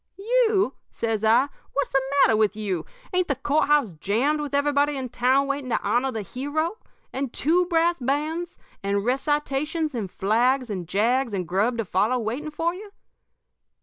"'You?' says I. 'What's the matter with you? Ain't the court house jammed with everybody in town waiting to honor the hero? And two brass bands, and recitations and flags and jags and grub to follow waiting for you?'